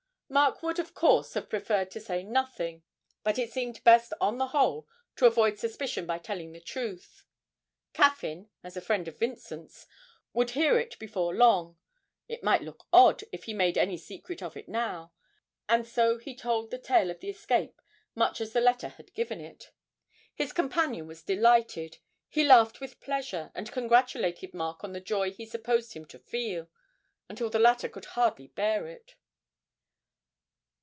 Mark would of course have preferred to say nothing, but it seemed best on the whole to avoid suspicion by telling the truth. Caffyn, as a friend of Vincent's, would hear it before long; it might look odd if he made any secret of it now, and so he told the tale of the escape much as the letter had given it. His companion was delighted, he laughed with pleasure, and congratulated Mark on the joy he supposed him to feel, until the latter could hardly bear it.